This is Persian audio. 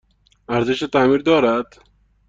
ارزش تعمیر دارد؟